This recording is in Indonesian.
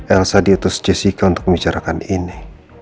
elsa diutus jessica untuk membicarakan ini